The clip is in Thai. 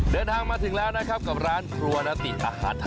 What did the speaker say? เดินทางมาถึงแล้วนะครับกับร้านครัวนาติอาหารไทย